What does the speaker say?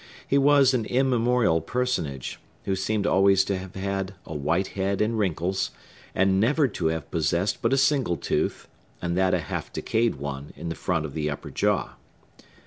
He was an immemorial personage, who seemed always to have had a white head and wrinkles, and never to have possessed but a single tooth, and that a half decayed one, in the front of the upper jaw.